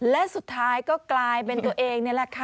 และสุดท้ายก็กลายเป็นตัวเองนี่แหละค่ะ